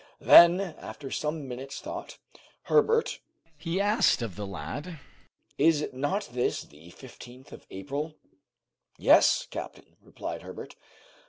Then, after some minutes thought "Herbert," he asked of the lad, "is not this the 15th of April?" "Yes, captain," replied Herbert.